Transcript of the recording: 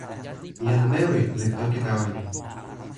jan Mewi li toki tawa mi.